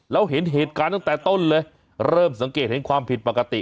แล้วเห็นเหตุการณ์ตั้งแต่ต้นเลยเริ่มสังเกตเห็นความผิดปกติ